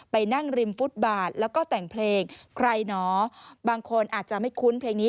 ไปนั่งริมฟุตบาทแล้วก็แต่งเพลงใครหนอบางคนอาจจะไม่คุ้นเพลงนี้